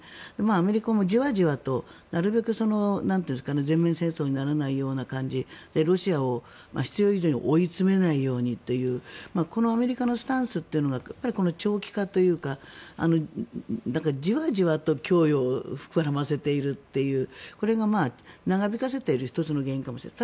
アメリカもじわじわとなるべく全面戦争にならない感じでロシアを必要以上に追い詰めないようにというこのアメリカのスタンスというのが長期化というかじわじわと供与を膨らませているというこれが長引かせている１つの原因かもしれない。